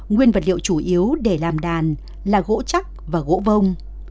nguyên vật liệu chủ yếu để làm đàn là gỗ chắc và gỗ vông